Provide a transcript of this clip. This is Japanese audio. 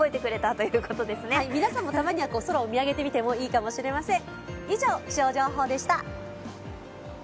皆さんもたまには空を見上げてみてもいいかもしれません。